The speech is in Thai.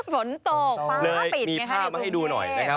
ฝนตกฟ้าปิดในคณะดิกุเมธ